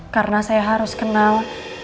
karena saya harus kenal